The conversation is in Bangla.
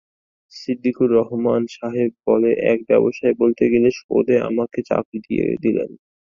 সিদ্দিকুর রহমান সাহেব বলে এক ব্যবসায়ী বলতে গেলে সোধে আমাকে চাকরি দিয়ে দিলেন।